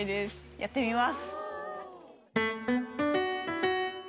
やってみます。